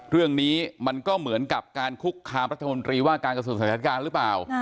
เรื่องนี้มันก็เหมือนกับการคุกคามรัฐมนตรีว่าการกระทรวงสถานการณ์หรือเปล่า